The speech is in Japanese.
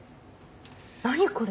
何これ！